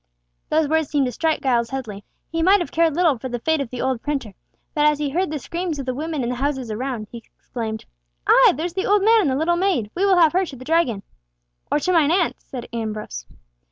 Those words seemed to strike Giles Headley. He might have cared little for the fate of the old printer, but as he heard the screams of the women in the houses around, he exclaimed, "Ay! there's the old man and the little maid! We will have her to the Dragon!" "Or to mine aunt's," said Ambrose.